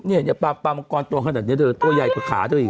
เนี่ยไฟปลาปกรณ์ตัวใหญ่กว่าขาด้วย